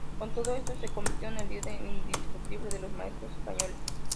Con todo ello se convirtió en el líder indiscutible de los maestros españoles.